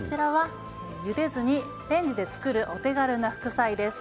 ゆでずにレンジで作るお手軽な副菜です。